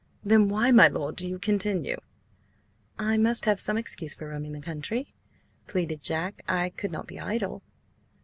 "Then why, my lord, do you continue?" "I must have some excuse for roaming the country," pleaded Jack. "I could not be idle."